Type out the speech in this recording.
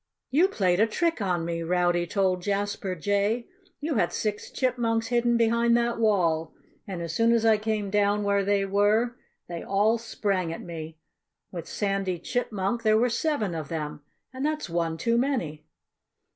"You played a trick on me!" Rowdy told Jasper Jay. "You had six chipmunks hidden behind that wall. And as soon as I came down where they were, they all sprang at me. With Sandy Chipmunk, there were seven of them. And that's one too many."